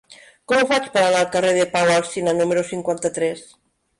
Com ho faig per anar al carrer de Pau Alsina número cinquanta-tres?